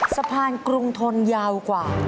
สะพานกรุงทนยาวกว่า